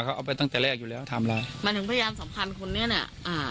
เขาเอาไปตั้งแต่แรกอยู่แล้วทำอะไรหมายถึงพยานสำคัญคนนี้น่ะอ่า